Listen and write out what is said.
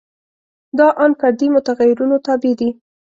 دا ان فردي متغیرونو تابع دي.